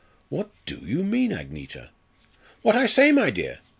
"What do you mean, Agneta?" "What I say, my dear.